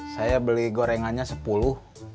saya beli gorengannya sepuluh